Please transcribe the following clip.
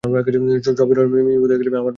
সব হিরোরা মিমি-মিমি বলতে বলতে আমার পিছনে দৌড়াবে।